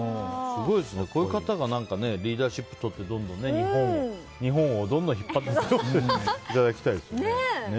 すごいですね、こういう方がリーダーシップとってどんどん日本を引っ張っていっていただきたいですね。